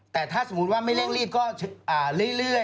แต่ถ้าสมมุติว่าไม่เร่งรีบก็เรื่อย